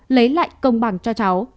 lấy lại công bằng cho cháu